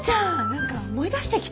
何か思い出してきた。